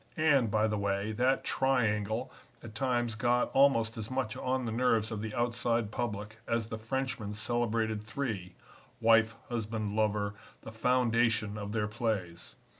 And, by the way, that Triangle at times got almost as much on the nerves of the outside public as the Frenchmen's celebrated three wife, husband, lover the foundation of their plays.